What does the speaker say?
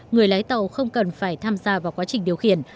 người lái tàu không cần phải tham gia vào quá trình điều khiển